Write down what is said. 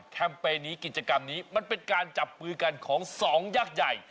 เปญนี้กิจกรรมนี้มันเป็นการจับมือกันของสองยักษ์ใหญ่